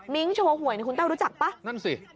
มิ้งโชว์หวยคุณแท้วรู้จักป่ะนั่นสิ